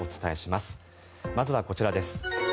まずはこちらです。